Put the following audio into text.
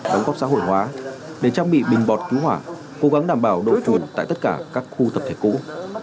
đóng góp xã hội hóa để trang bị bình bọt cứu hỏa cố gắng đảm bảo độ chuồn tại tất cả các khu tập thể cũ